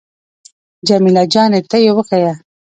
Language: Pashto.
جمیله جانې ته يې وښيه.